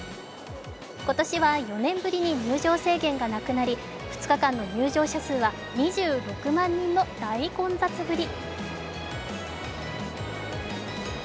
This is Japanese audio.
今年は４年ぶりに入場制限がなくなり、２日間の入場者数は２６万人の大混雑ぶり。